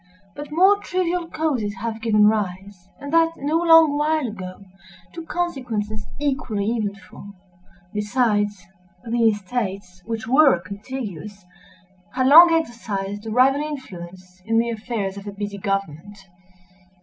But more trivial causes have given rise—and that no long while ago—to consequences equally eventful. Besides, the estates, which were contiguous, had long exercised a rival influence in the affairs of a busy government.